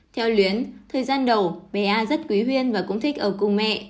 theo luyến thời gian đầu bé a rất quý huyên và cũng thích ở cùng mẹ